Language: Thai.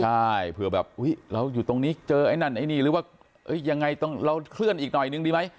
ใช่เผื่อแบบอุ๊ยเราอยู่ตรงนี้เจอไอ้นั่นไอ้นี่หรือว่ายังไงเราเคลื่อนอีกหน่อยนึงดีไหม